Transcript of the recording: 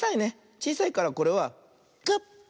ちいさいからこれはコップ。